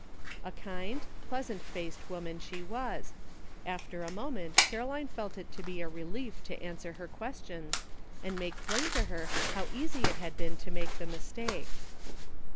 A kind, pleasant faced woman she was ; after a moment Caroline felt it to be a relief to answer her questions and make plain to her how easy it had been to make the mistake.